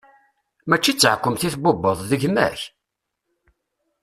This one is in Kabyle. Mačči d taɛkemt i tbubbeḍ, d gma-k!